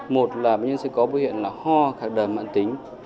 một là bệnh nhân sẽ có biểu hiện là ho khắc đầm mạng tính